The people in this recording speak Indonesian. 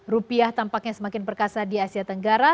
rupiah tampaknya semakin perkasa di asia tenggara